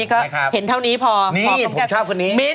ชอบครับมินผมชอบคุณนี้พอก่อน